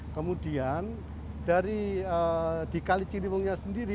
kemudian di kali cirimungnya sendiri